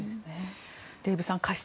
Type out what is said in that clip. デーブさん過失